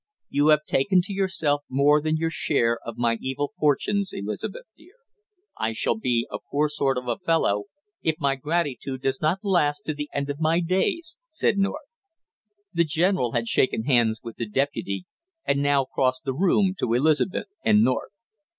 "You have taken to yourself more than your share of my evil fortunes, Elizabeth, dear I shall be a poor sort of a fellow if my gratitude does not last to the end of my days!" said North. The general had shaken hands with the deputy and now crossed the room to Elizabeth and North.